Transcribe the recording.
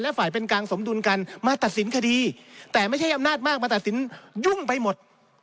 และฝ่ายเป็นกลางสมดุลกันมาตัดสินคดีแต่ไม่ใช่อำนาจมากมาตัดสินยุ่งไปหมด